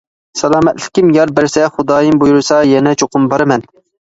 سالامەتلىكىم يار بەرسە، خۇدايىم بۇيرۇسا يەنە چوقۇم بارىمەن.